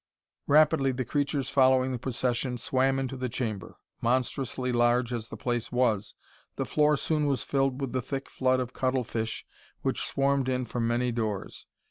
Rapidly the creatures following the procession swam into the chamber. Monstrously large as the place was, the floor soon was filled with the thick flood of cuttlefish which swarmed in from many doors.